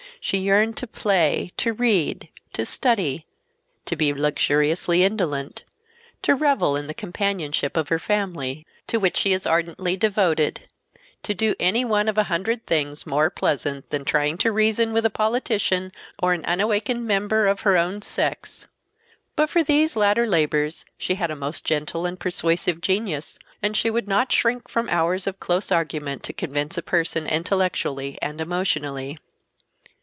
She yearned to play, to read, to study, to be luxuriously indolent, to revel in the companionship of her family, to which she is ardently devoted; to do any one of a hundred things more pleasant than trying to reason with a politician or an unawakened member of her own sex. But for these latter labors she had a most gentle and persuasive genius, and she would not shrink from hours of close argument to convince a person intellectually and emotionally.